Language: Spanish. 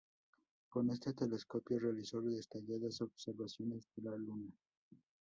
Con este telescopio realizó detalladas observaciones de la Luna.